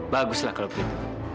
baguslah kalau begitu